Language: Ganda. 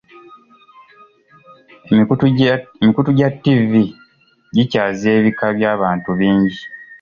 Emikutu gya ttivi gikyaza ebika by'abantu bingi.